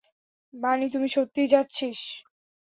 বানি তুই সত্যিই যাচ্ছিস?